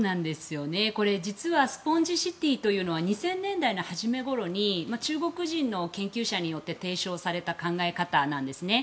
これ、実はスポンジシティというのは２０００年代の初めごろに中国人の研究者によって提唱された考えなんですね。